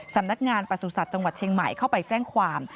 สำนักงานประสุทธิ์จังหวัดเชียงใหม่เข้าไปแจ้งความ